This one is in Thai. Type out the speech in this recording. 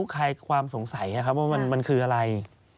ใครความสงสัยครับว่ามันคืออะไร